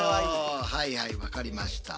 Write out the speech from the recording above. はいはい分かりました。